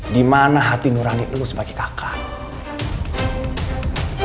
dimana hati nurani dulu sebagai kakak